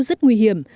rất nguy hiểm